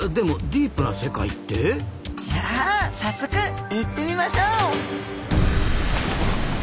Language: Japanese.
じゃあ早速行ってみましょう！